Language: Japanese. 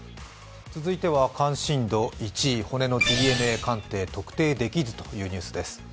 続いては関心度１位骨のＤＮＡ鑑定特定できずというニュースです。